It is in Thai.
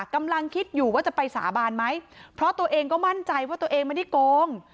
กำลังคิดอยู่ว่าจะไปสาบานไหมเพราะตัวเองก็มั่นใจว่าตัวเองไม่ได้โกง